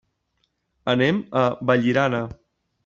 Anem a Vallirana.